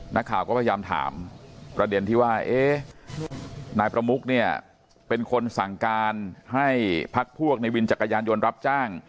นักข่าวก็พยายามถามประเด็นที่ว่าเอ๊ะนายประมุกเนี่ยเป็นคนสั่งการให้พักพวกในวินจักรยานยนต์รับจ้าง